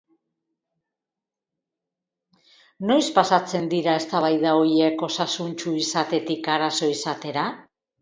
Noiz pasatzen dira eztabaida horiek osasuntsu izatetik arazo izatera?